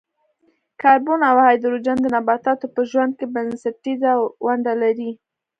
کاربن او هایدروجن د نباتاتو په ژوند کې بنسټیزه ونډه لري.